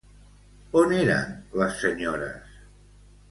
On eren les senyores?